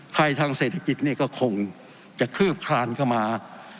ภัยทางเศรษฐกิจนี่ก็คงจะคืบคลานเข้ามา